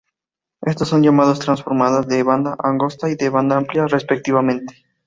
Estas son llamadas transformadas de banda angosta y de banda amplia, respectivamente.